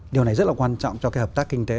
điều này rất là quan trọng cho cái hợp tác kinh tế